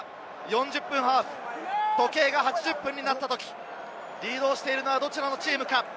４０分ハーフ、時計が８０分になったときリードしているのはどちらのチームか？